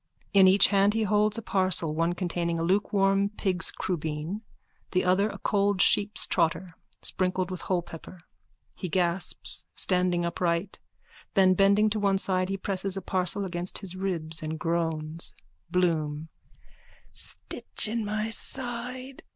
In each hand he holds a parcel, one containing a lukewarm pig's crubeen, the other a cold sheep's trotter, sprinkled with wholepepper. He gasps, standing upright. Then bending to one side he presses a parcel against his ribs and groans.)_ BLOOM: Stitch in my side.